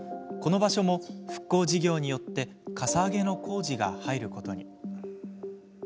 この場所も復興事業によってかさ上げの工事が入ることに。